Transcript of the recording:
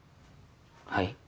はい？